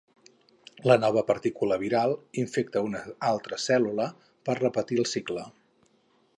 La nova partícula viral infecta a una altra cèl·lula per repetir el cicle.